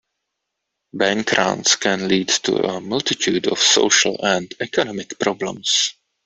Bank runs can lead to a multitude of social and economic problems.